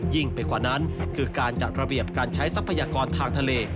ไปกว่านั้นคือการจัดระเบียบการใช้ทรัพยากรทางทะเล